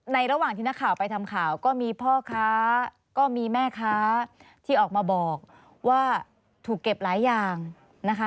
ระหว่างที่นักข่าวไปทำข่าวก็มีพ่อค้าก็มีแม่ค้าที่ออกมาบอกว่าถูกเก็บหลายอย่างนะคะ